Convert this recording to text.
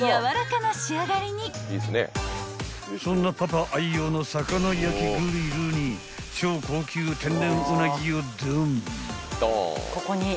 ［そんなパパ愛用の魚焼きグリルに超高級天然］